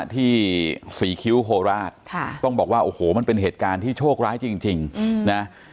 ที่ศรีคิ้วโคราชต้องบอกว่าโอ้โหมันเป็นเหตุการณ์ที่โชคร้ายจริงนะ